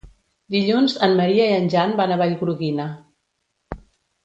Dilluns en Maria i en Jan van a Vallgorguina.